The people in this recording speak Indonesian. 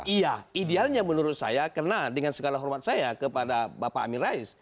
iya idealnya menurut saya karena dengan segala hormat saya kepada bapak amir rais